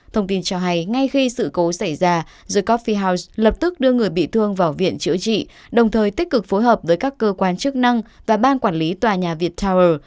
thông tin cho hay ngay khi sự cố xảy ra the coffi house lập tức đưa người bị thương vào viện chữa trị đồng thời tích cực phối hợp với các cơ quan chức năng và ban quản lý tòa nhà viettel